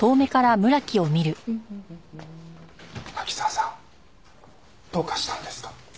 滝沢さんどうかしたんですか？